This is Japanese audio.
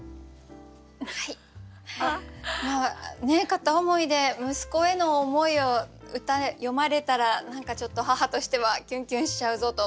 片思いで息子への思いを歌詠まれたら何かちょっと母としてはキュンキュンしちゃうぞと。